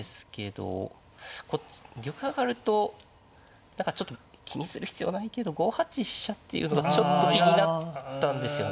こっち玉上がると何かちょっと気にする必要ないけど５八飛車っていうのがちょっと気になったんですよね。